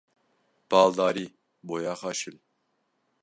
Baldarî! Boyaxa şil.